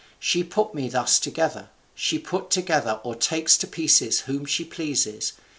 She put me thus together; she puts together or takes to pieces whom she pleases.